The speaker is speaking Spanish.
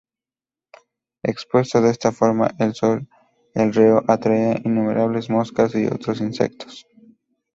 Expuesto de esta forma al sol, el reo atraía innumerables moscas y otros insectos.